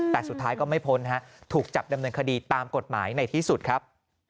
แต่สุดท้ายก็ไม่พ้นถูกจับดำเนินคดีตามกฎหมายในที่สุดครับ